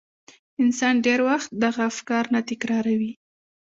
انسان ډېر وخت دغه افکار نه تکراروي.